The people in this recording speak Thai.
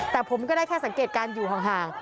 แต่ผมก็ได้แค่สังเกตการณ์อยู่ห่าง